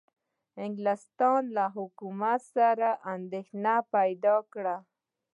انګلستان له حکومت سره اندېښنه پیدا کړه.